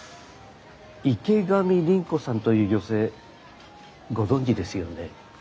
池上倫子さんという女性ご存じですよね？